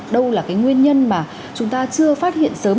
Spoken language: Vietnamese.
đâu là cái nguyên nhân mà chúng ta chưa phát hiện sớm